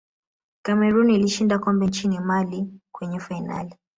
cameroon ilishinda kombe nchini mali kwenye fainali